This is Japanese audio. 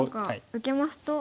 白が受けますと。